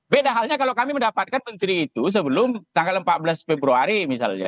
beda halnya kalau kami mendapatkan menteri itu sebelum tanggal empat belas februari misalnya